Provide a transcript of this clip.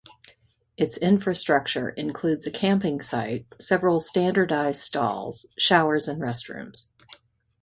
Its infrastructure includes a camping site, several standardized stalls, showers, and rest rooms.